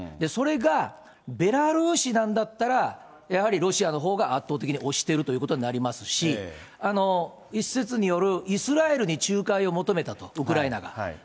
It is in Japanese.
それがベラルーシなんだったら、やはりロシアのほうが圧倒的に押してるということになりますし、一説による、イスラエルによる仲介を求めたと、ウクライナが。